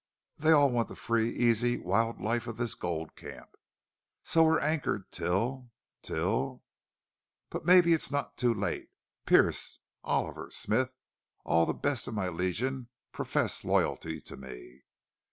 They all want the free, easy, wild life of this gold camp. So we're anchored till till... But maybe it's not too late. Pearce, Oliver, Smith all the best of my Legion profess loyalty to me.